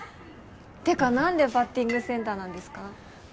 てかなんでバッティングセンターなんですか？